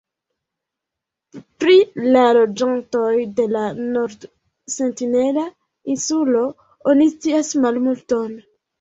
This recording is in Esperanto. Pri la loĝantoj de la Nord-Sentinela Insulo oni scias malmulton.